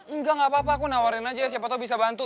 enggak apa apa aku nawarin aja siapa tau bisa bantu